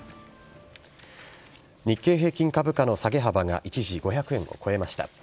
日経平均株価の下げ幅が、一時５００円を超えました。